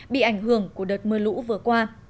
bị ảnh hưởng của đợt mưa lũ vừa qua